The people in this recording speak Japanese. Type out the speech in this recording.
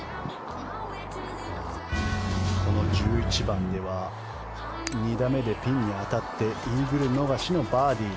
この１１番では２打目でピンに当たってイーグル逃しのバーディー。